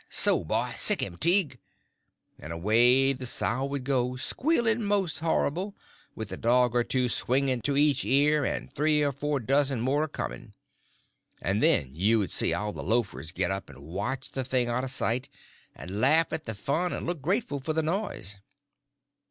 so boy! sick him, Tige!" and away the sow would go, squealing most horrible, with a dog or two swinging to each ear, and three or four dozen more a coming; and then you would see all the loafers get up and watch the thing out of sight, and laugh at the fun and look grateful for the noise.